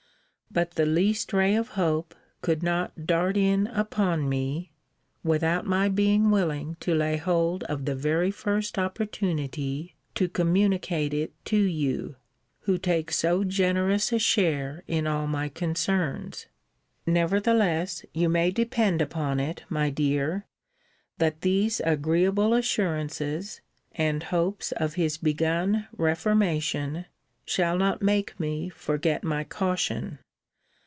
But the least ray of hope could not dart in upon me, without my being willing to lay hold of the very first opportunity to communicate it to you, who take so generous a share in all my concerns. Nevertheless, you may depend upon it, my dear, that these agreeable assurances, and hopes of his begun reformation, shall not make me forget my caution.